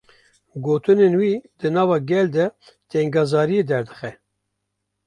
Gotinên wî, di nava gel de tengezariyê derdixe